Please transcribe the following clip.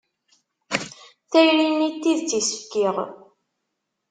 Tayri-nni n tidett i s-fkiɣ.